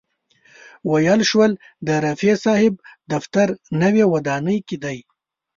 ویل شول د رفیع صاحب دفتر نوې ودانۍ کې دی.